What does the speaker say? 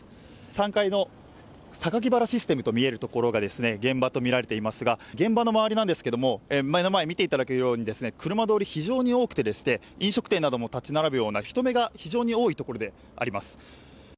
３階の榊原システムと見えるところが現場とみられていますが現場の周りなんですが目の前、見ていただけるように車通りが非常に多くて飲食店なども立ち並ぶような人目が非常に多いところです。